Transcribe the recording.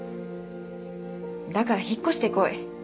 「だから引っ越してこい」